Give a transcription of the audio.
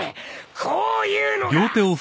こういうのが！